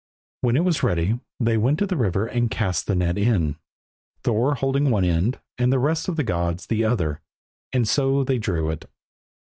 When it was ready they went to the river and cast the net in, Thor holding one end and the rest of the gods the other, and so they drew it.